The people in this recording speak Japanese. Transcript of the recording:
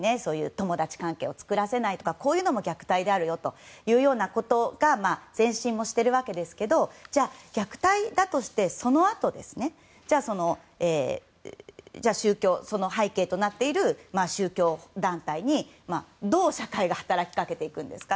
友達関係を作らせないとかこういうのも虐待であるよということが前進もしてるわけですけどじゃあ、虐待だとしてそのあと背景となっている宗教団体にどう社会が働きかけていくんですか。